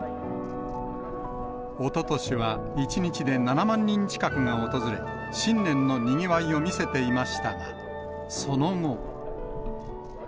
おととしは１日で７万人近くが訪れ、新年のにぎわいを見せていましたが、その後。